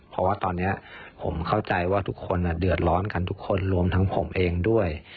เพราะว่าตอนนี้ผมเข้าใจว่าทุกคนเดือดร้อนกันทุกคนรวมทั้งผมเองด้วย